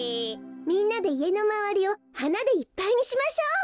みんなでいえのまわりをはなでいっぱいにしましょう。